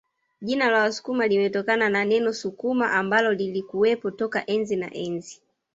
Jina la Wasukuma limetokana na neno Sukuma ambalo lilikuwepo toka enzi na enzi